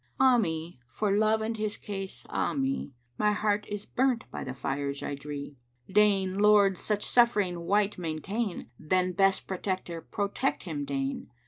'Ah me, for Love and his case, ah me: My heart is burnt by the fires I dree!' Deign Lord such suffering wight maintain * Then best Protector, protect him deign!